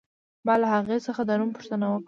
ما له هغې څخه د نوم پوښتنه وکړه